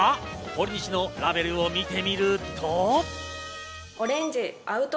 ほりにしのラベルを見てみると。